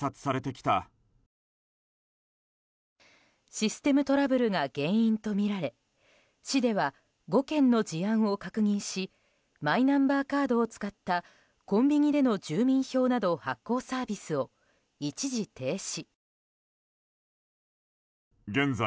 システムトラブルが原因とみられ市では５件の事案を確認しマイナンバーカードを使ったコンビニでの住民票など発行サービスを一時停止。